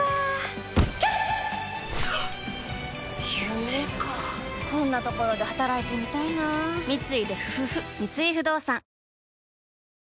夢かこんなところで働いてみたいな三井不動産・あっ！